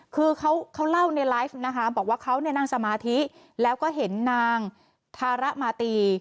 คือเขาเล่าในไลฟ์นะคะบอกว่าเขาเนี่ยนั่งสมาธิแล้วก็เห็นนางธาระมาตี